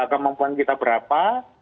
kemampuan kita berapa